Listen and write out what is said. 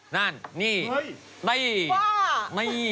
นั่นนี่นี่นี่นี่